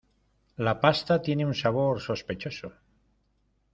La pasta tiene un sabor sospechoso.